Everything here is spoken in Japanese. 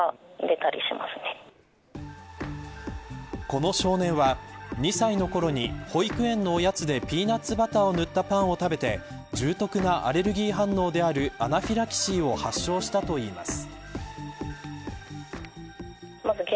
この少年は２歳のころに保育園のおやつでピーナッツバターを塗ったパンを食べて重篤なアレルギー反応であるアナフィラキシーを発症したといいます。